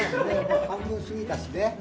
半分過ぎたしね。